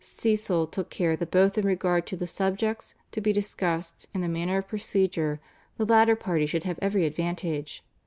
Cecil took care that both in regard to the subjects to be discussed and the manner of procedure the latter party should have every advantage.